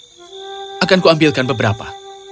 aku akan mengambil beberapa